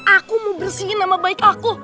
aku mau bersihin nama baik aku